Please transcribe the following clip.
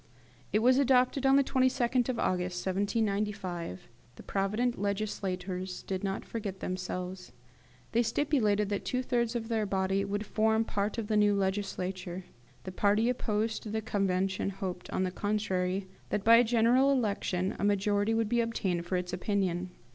It was adopted on the 22d of August 1795. The provident legislators did not forget themselves. They stipulated that two thirds of their body should form part of the new legislature. The party opposed to the Convention hoped, on the contrary, that, by a general election, a majority would be obtained for its opinion.